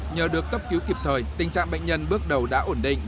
nhờ được cấp cứu kịp thời tình trạng bệnh nhân bước đầu đã ổn định